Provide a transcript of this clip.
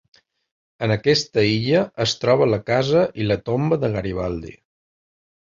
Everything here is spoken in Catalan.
En aquesta illa es troba la casa i la tomba de Garibaldi.